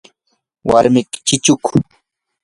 ¿warmiki chichuku?